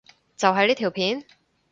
就係呢條片？